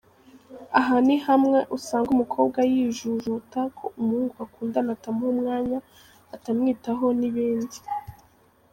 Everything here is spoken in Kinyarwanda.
Aha ni hamwe usanga umukobwa yijujuta ko umuhungu bakundana atamuha umwanya, atamwitaho n’ibindi.